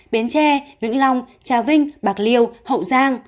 bến tre vĩnh long trà vinh bạc liêu hậu giang